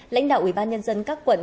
lãnh đạo ubnd các quận